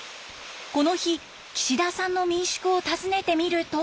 この日岸田さんの民宿を訪ねてみると。